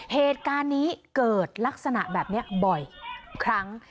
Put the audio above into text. เหตุการณ์นี้เกิดลักษณะแบบนี้บ่อยครั้ง